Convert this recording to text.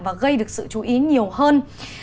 và gây được sự chú ý nhiều hơn